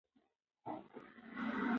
هیڅوک باید قانون مات نه کړي.